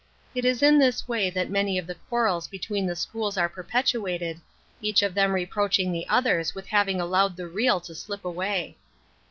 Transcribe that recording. It is in this way that many of the quarrels between the schools are perpetuated, each of them reproaching the others with having allowed the real to slip away.